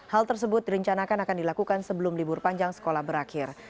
hal tersebut direncanakan akan dilakukan sebelum libur panjang sekolah berakhir